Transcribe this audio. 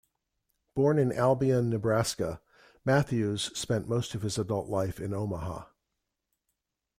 Born in Albion, Nebraska, Matthews spent most of his adult life in Omaha.